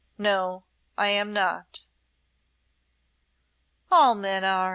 "No, I am not." "All men are!"